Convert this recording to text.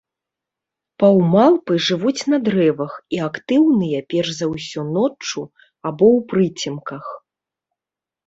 Паўмалпы жывуць на дрэвах і актыўныя перш за ўсё ноччу або ў прыцемках.